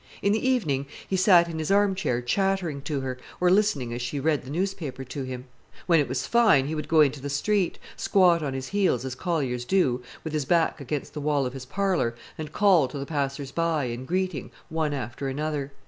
In the evening he sat in his armchair chattering to her, or listening as she read the newspaper to him. When it was fine, he would go into the street, squat on his heels as colliers do, with his back against the wall of his parlour, and call to the passers by, in greeting, one after another.